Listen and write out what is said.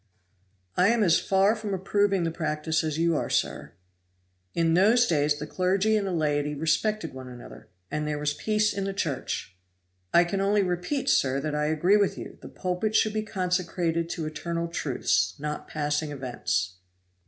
"I am as far from approving the practice as you are, sir." "In those days the clergy and the laity respected one another, and there was peace in the Church." "I can only repeat, sir, that I agree with you; the pulpit should be consecrated to eternal truths, not passing events."